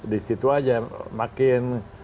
di situ aja makin